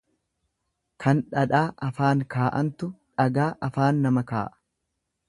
Kan dhadhaa afaan kaa'antu dhagaa afaan nama kaa'a.